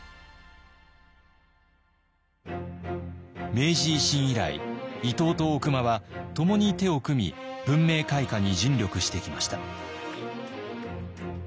明治維新以来伊藤と大隈はともに手を組み文明開化に尽力してきました。